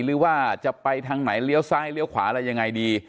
หรือว่าจะไปทางไหนเลี้ยวซ้ายเลี้ยวขวาอะไรยังไงดี